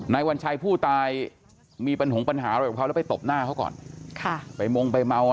ในวันชัยผู้ตายมีถงปัญหากับเขาแล้วไปตบหน้าเขาก่อน